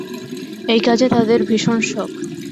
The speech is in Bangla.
এই কাজে তাঁদের ভীষণ শখ।